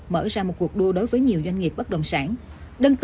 mở ra một cuộc đua đối với nhiều doanh nghiệp bất động sản